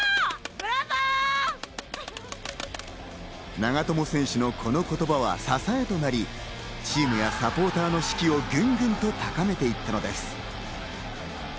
長友選手のこの言葉は支えとなり、チームやサポーターの士気をぐんぐんと高めていったのです。